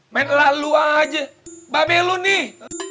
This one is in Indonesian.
main lalu aja babelun nih